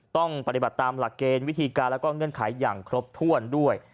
ต้องปฏิบัติตามหลักเกณฑ์วิธีการและเงื่อนไขอย่างครบถ้วนด้วย